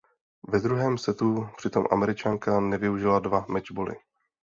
Ve druhém setu přitom Američanka nevyužila dva mečboly.